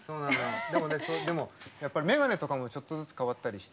でも、やっぱり眼鏡とかもちょっとずつ変わったりして。